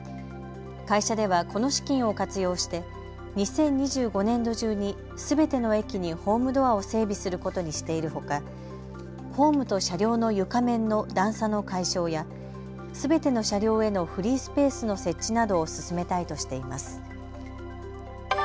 会社ではこの資金を活用して２０２５年度中にすべての駅にホームドアを整備することにしているほかホームと車両の床面の段差の解消やすべての車両へのフリースペースの設置などを進めたいとしています。